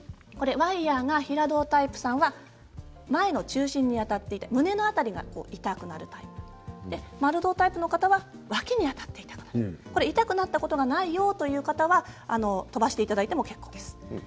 ワイヤーが平胴タイプさんは前の中心に当たっていて胸の辺りが痛くなるタイプ丸胴タイプの方は脇に当たって痛くなる痛くなったことがないよという方は飛ばしていただいても結構です。